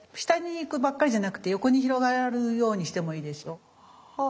下に行くばっかりじゃなくて横に広がるようにしてもいいですよ。